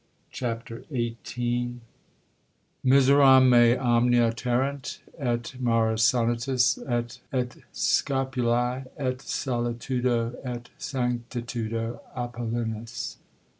CHAPTER XVIII Miseram me omnia terrent, et maris sonitus, et scopuli, et solitudo, et sanctitudo Apollinis.